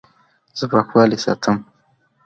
زه پاکوالی ساتم.